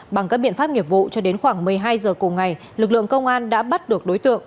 bằng các biện pháp nghiệp vụ cho đến khoảng một mươi hai h cùng ngày lực lượng công an đã bắt được đối tượng